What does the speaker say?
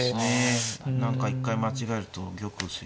何か一回間違えると玉薄いから。